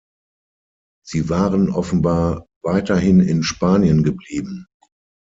Sie waren offenbar weiterhin in Spanien geblieben.